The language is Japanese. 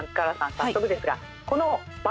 早速ですがこの「ば」